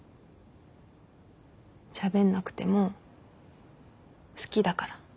しゃべんなくても好きだから。